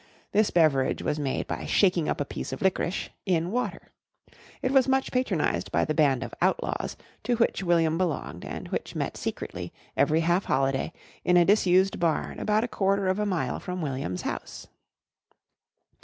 This beverage was made by shaking up a piece of licorice in water. It was much patronised by the band of Outlaws to which William belonged and which met secretly every half holiday in a disused barn about a quarter of a mile from William's house.